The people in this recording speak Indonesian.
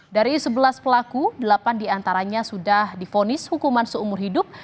dari sebelas pelaku delapan diantaranya sudah difonis hukuman seumur hidup